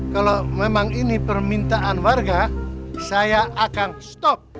kalau memang ini permintaan warga saya akan stop